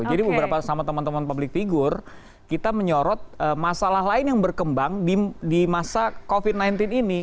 jadi beberapa sama teman teman public figure kita menyorot masalah lain yang berkembang di masa covid sembilan belas ini